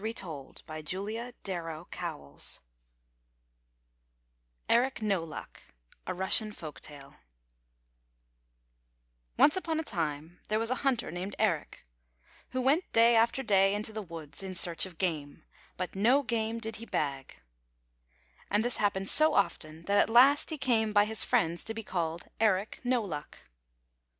[ 154 ] ERIC NO LUCK NCE upon a time there was a hunter named Eric, who went day after day into the woods in search of game — but no game did he bag! And this happened so often that at last he came by his friends to be called Eric No Luck.